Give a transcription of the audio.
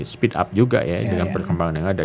speed up juga ya dengan perkembangan yang ada